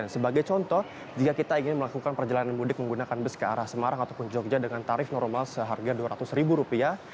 sebagai contoh jika kita ingin melakukan perjalanan mudik menggunakan bus ke arah semarang ataupun jogja dengan tarif normal seharga dua ratus ribu rupiah